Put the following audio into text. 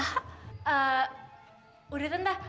eh udah tante